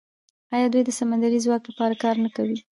آیا دوی د سمندري ځواک لپاره کار نه کوي؟